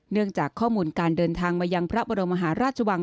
เนื่องจากข้อมูลการเดินทางมายังพระบรมหาราชวัง